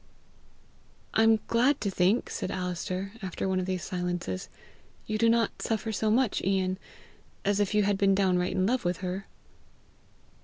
"I am glad to think," said Alister, after one of these silences, "you do not suffer so much, Ian, as if you had been downright in love with her."